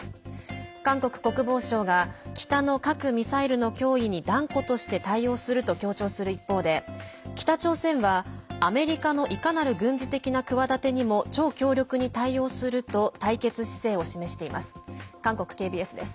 韓国国防省が北の核・ミサイルの脅威に断固として対応すると強調する一方で北朝鮮は、アメリカのいかなる軍事的な企てにも超強力に対応すると対決姿勢を示しています。